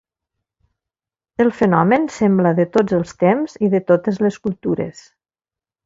El fenomen sembla de tots el temps i de totes les cultures.